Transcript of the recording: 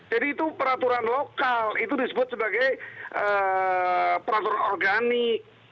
jadi itu peraturan lokal itu disebut sebagai peraturan organik